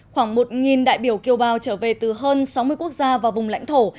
khoảng một đại biểu kiều bào trở về từ hơn sáu mươi quốc gia và vùng lãnh thổ